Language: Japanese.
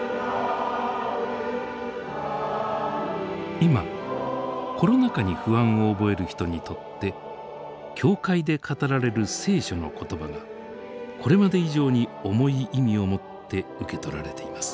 今コロナ禍に不安を覚える人にとって教会で語られる聖書の言葉がこれまで以上に重い意味をもって受け取られています。